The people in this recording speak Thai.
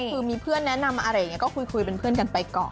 คือมีเพื่อนแนะนำอะไรอย่างนี้ก็คุยเป็นเพื่อนกันไปก่อน